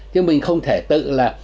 chứ mình không thể tự là